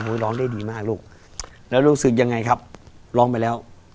ร้องได้ดีมากลูกแล้วรู้สึกยังไงครับร้องไปแล้ว